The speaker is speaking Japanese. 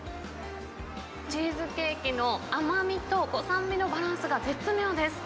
チーズケーキの甘みと酸味のバランスが絶妙です。